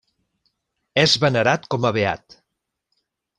És venerat com a beat.